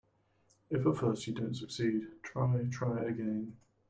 If at first you don't succeed, try, try again.